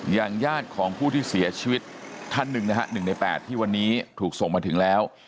ญาติของผู้ที่เสียชีวิตท่านหนึ่งนะฮะ๑ใน๘ที่วันนี้ถูกส่งมาถึงแล้ว